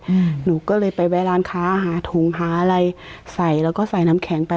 อืมหนูก็เลยไปแวะร้านค้าหาถุงหาอะไรใส่แล้วก็ใส่น้ำแข็งไป